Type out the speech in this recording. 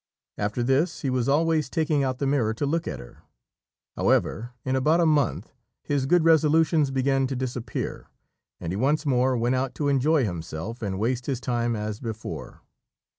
After this, he was always taking out the mirror to look at her; however, in about a month his good resolutions began to disappear, and he once more went out to enjoy himself and waste his time as before.